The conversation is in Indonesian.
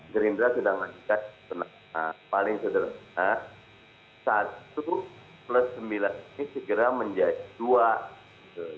gerindra sudah mengajukan paling sederhana satu plus sembilan ini segera menjadi dua gitu